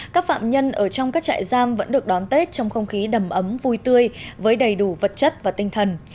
các phạm nhân ở trong các trại giam vẫn được đón tết trong không khí đầm ấm vui tươi với đầy đủ vật chất và tinh thần